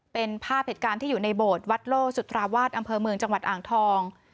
เป็นภาพเหตุการณ์ที่อยู่ในโบสถ์วัดโลจุธาวาสอำเภอเมืองจังหวัดอ่างทอง